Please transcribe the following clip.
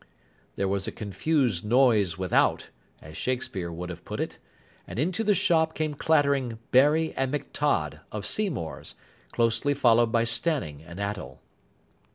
There was a "confused noise without", as Shakespeare would put it, and into the shop came clattering Barry and McTodd, of Seymour's, closely followed by Stanning and Attell.